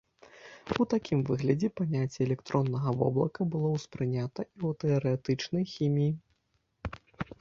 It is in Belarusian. У такім выглядзе паняцце электроннага воблака было ўспрынята і ў тэарэтычнай хіміі.